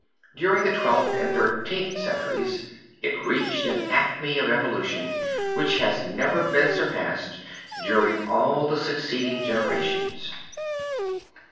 During the Twelfth and Thirteenth centuries it reached an acme of evolution which has never been surpassed during all the succeeding generations.